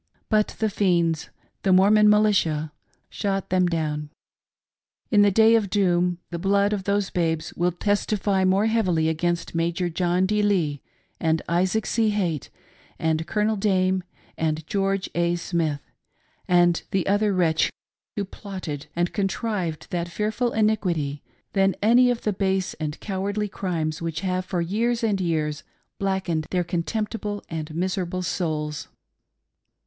But the fiends — the Mormon militia — shot them down. In the day of doom, the blood of those" babes will testify more heavily against Major John D. Lee and Isaac C. Haight, and Colonel Dame, and George A. Smith, and the other wretch who plotted and contrived that fearful iniquity, than any of the base and cowardly crimes which have for years and years blackened 'their contemptible and miserable souls.